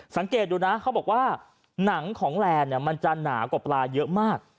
สังเกตดูนะเขาบอกว่าหนังของแลนด์มันจะหนากว่าปลาเยอะมาก